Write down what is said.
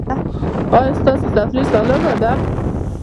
ایا ستاسو تفریح سالمه ده؟